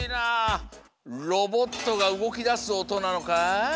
ロボットがうごきだすおとなのか？